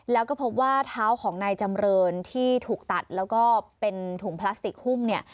แล้วก็พบว่าเท้าของนายจำเรินที่ถูกตัดแล้วก็เป็นถุงพลาสติกหุ้มเนี่ย